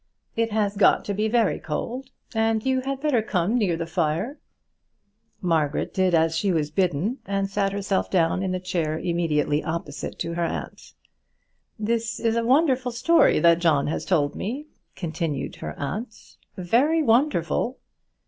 "It has got to be very cold, and you had better come near the fire." Margaret did as she was bidden, and sat herself down in the chair immediately opposite to her aunt. "This is a wonderful story that John has told me," continued her aunt "very wonderful."